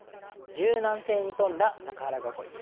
「柔軟性に富んだ中原囲い」。